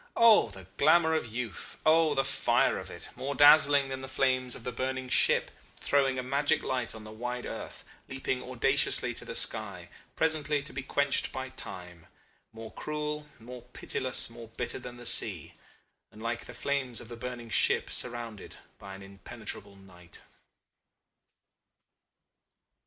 Oh the glamour of youth! Oh the fire of it, more dazzling than the flames of the burning ship, throwing a magic light on the wide earth, leaping audaciously to the sky, presently to be quenched by time, more cruel, more pitiless, more bitter than the sea and like the flames of the burning ship surrounded by an impenetrable night."